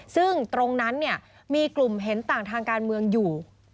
ซึ่งตรงนั้นมีกลุ่มเห็นต่างทางการเมืองอยู่